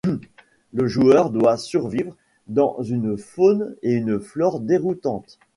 Le joueur doit survivre dans une faune et une flore déroutantes.